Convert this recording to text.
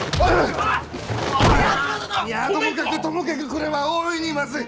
平八郎殿！いやともかくともかくこれは大いにまずい！